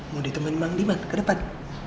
mau ditemani bang diman kedepan